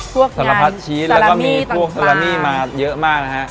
พวกงานซาระพรัสชีสแล้วก็มีพวกซาระมี่มาเยอะมากนะฮะ